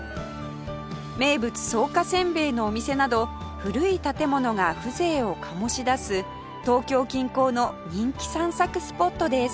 名物草加せんべいのお店など古い建物が風情を醸し出す東京近郊の人気散策スポットです